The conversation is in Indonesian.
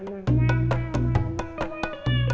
terus pulang kampung